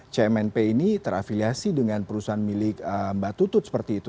cmnp ini terafiliasi dengan perusahaan milik mbak tutut seperti itu